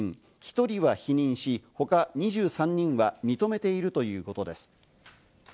１人は否認し、他２３人は認めているということです。